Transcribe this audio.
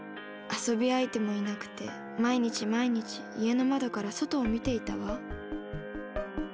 遊び相手もいなくて毎日毎日家の窓から外を見ていたわ。